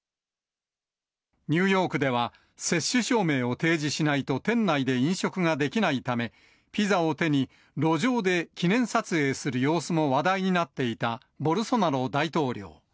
ニューヨークでは、接種証明を提示しないと店内で飲食ができないため、ピザを手に、路上で記念撮影する様子も話題になっていたボルソナロ大統領。